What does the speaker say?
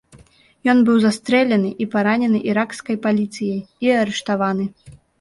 Ён быў застрэлены і паранены іракскай паліцыяй і арыштаваны.